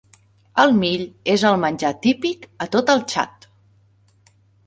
El mill és el menjar típic a tot el Txad.